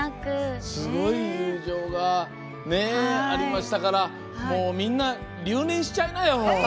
すごい友情がありましたからもう、みんな留年しちゃいなよ。